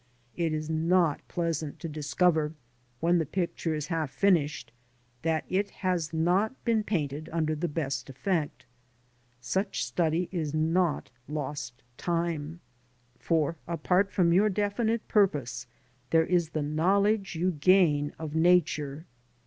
It is not pleasant to discover, when the picture is half finished, that it has not been painted under the best effect. Such study is not lost time, for apart from your definite purpose, there is the knowledge you gain of Nature.